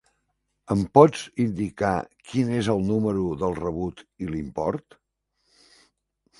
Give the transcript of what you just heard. Em pots indicar quin és el número del rebut i l'import?